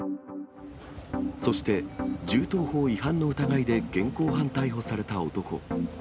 そして、銃刀法違反の疑いで現行犯逮捕された男。